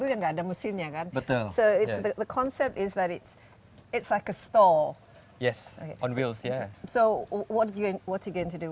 dan ini hanya untuk perusahaan makanan